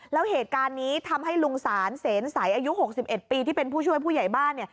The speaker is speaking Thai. แล้วเหตุการณ์นี้ทำให้ลุงสารเสนใสอายุ๖๑ปีที่เป็นผู้ช่วยผู้ใหญ่บ้านเนี่ย